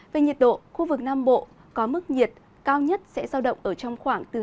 về nhiệt độ khu vực nam bộ có mức nhiệt cao nhất sẽ rào động ở trong khoảng thứ hai mươi ba ba mươi ba độ